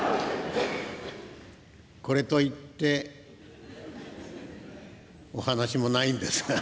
これといってお噺もないんですが。